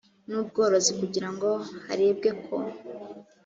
n ubworozi kugira ngo harebwe ko